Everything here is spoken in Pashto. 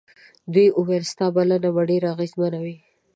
دوی وویل ستا بلنه به ډېره اغېزمنه وي.